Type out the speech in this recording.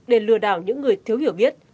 để lừa đảo những người thiếu hiểu biết